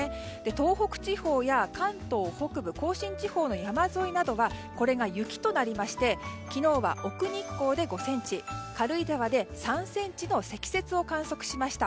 東北地方や関東北部甲信地方の山沿いなどはこれが雪となりまして昨日は奥日光で５ｃｍ軽井沢で３ｃｍの積雪を観測しました。